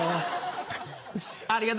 ありがと！